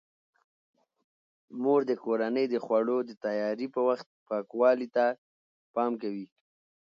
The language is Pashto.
مور د کورنۍ د خوړو د تیاري په وخت پاکوالي ته پام کوي.